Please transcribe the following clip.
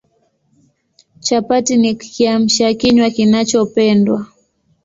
Chapati ni Kiamsha kinywa kinachopendwa